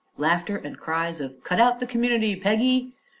(Laughter and cries of "Cut out the community, Peggy!")